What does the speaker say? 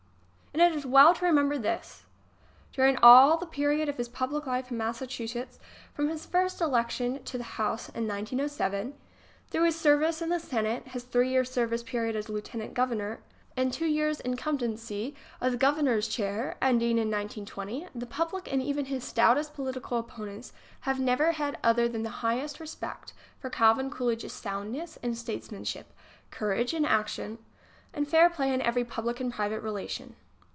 And it is well to remember this: During all the period of his public life in Massachusetts, from his first election to the House in 1907, through his serv ice in the Senate, his three year service period as Lieutenant Governor and two year incumbency of [ 18 ]┬¦> HAVE FAITH IN COOLIDGE! W m 7& the Governor's chair, ending in 192.0, the public and even his stoutest political opponents have never had other than highest respect for Calvin Coolidge's soundness in statesmanship, courage in action and fair play in every public and private relation.